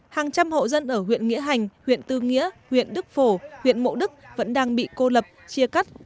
hàng trăm hộ dân ở huyện nghĩa hành huyện tư nghĩa huyện đức phổ huyện mộ đức vẫn đang bị cô lập chia cắt